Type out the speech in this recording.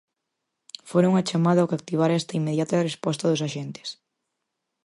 Fora unha chamada o que activara esta inmediata resposta dos axentes.